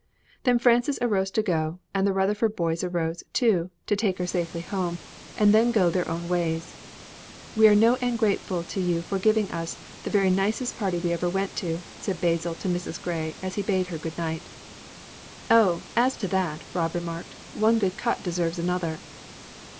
Then Frances arose to go, and the Rutherford boys arose, too, to take her safely home, and then go their own ways. "We're no end grateful to you for giving us the very nicest party we ever went to," said Basil to Mrs. Grey as he bade her good night. "Oh, as to that," Rob remarked, "one good cut deserves another."